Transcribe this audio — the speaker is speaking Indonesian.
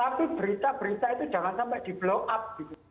tapi berita berita itu jangan sampai di blow up